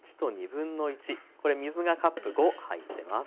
これ水がカップ５入ってます。